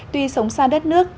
tuy sống xa đất nước